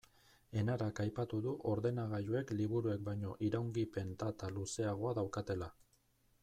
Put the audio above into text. Enarak aipatu du ordenagailuek liburuek baino iraungipen data luzeagoa daukatela.